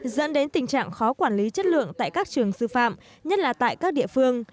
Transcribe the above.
dẫn đến tình trạng khó quản lý chất lượng tại các trường sư phạm nhất là tại các địa phương